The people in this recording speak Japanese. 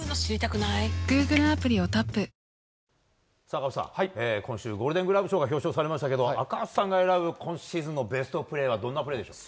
赤星さん、今週ゴールデングラブ賞が表彰されましたけど赤星さんが選ぶベストプレーはどんなプレーでしょうか？